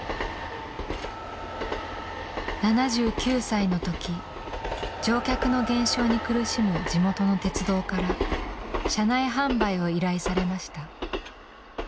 ７９歳の時乗客の減少に苦しむ地元の鉄道から車内販売を依頼されました。